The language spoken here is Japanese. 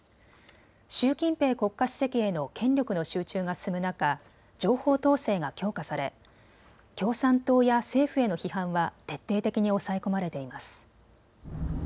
習近平国家主席への権力の集中が進む中、情報統制が強化され共産党や政府への批判は徹底的に抑え込まれています。